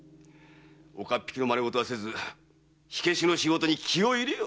岡っ引きの真似ごとはせず火消しの仕事に気を入れよ！